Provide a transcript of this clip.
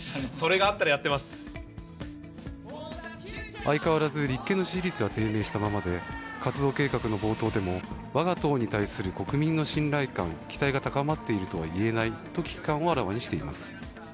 相変わらず立憲の支持率は低迷したままで活動計画の冒頭でも我が党に対する国民の信頼感、期待が高まっているとはいえないと危機感をあらわにしています。